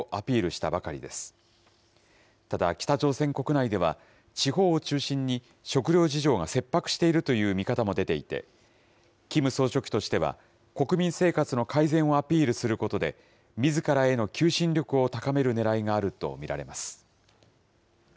ただ、北朝鮮国内では、地方を中心に食料事情が切迫しているという見方も出ていて、キム総書記としては、国民生活の改善をアピールすることで、みずからへの求心力を高めるねらいがあると見られます。